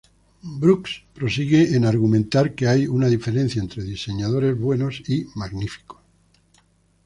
Brooks prosigue en argumentar que hay una diferencia entre diseñadores "buenos" y "magníficos".